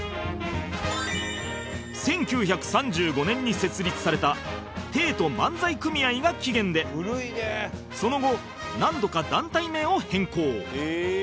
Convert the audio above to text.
１９３５年に設立された帝都漫才組合が起源でその後何度か団体名を変更